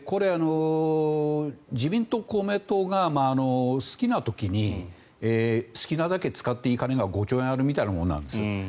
自民党、公明党が好きな時に好きなだけ使っていい金が５兆円あるみたいなものなんです。